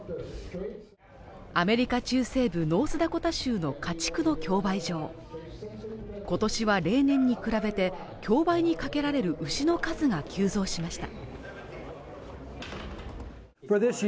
アメリカ中西部ノースダコタ州の家畜の競売場今年は例年に比べて競売にかけられる牛の数が急増しました